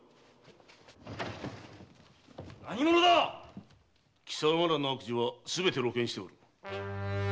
何者だっ⁉きさまらの悪事はすべて露見しておる。